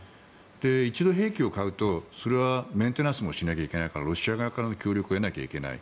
一度兵器を買うとそれはメンテナンスもしなきゃいけないからロシア側からの協力を得なきゃいけない。